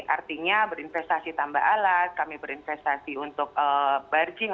artinya berinvestasi tambah alat kami berinvestasi untuk burging